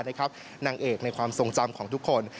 นางเอกในความทรงจำของทุกคน